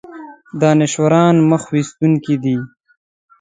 دانشورانه مخ ویستونکی دی.